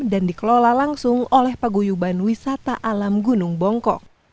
dan dikelola langsung oleh paguyuban wisata alam gunung bongkok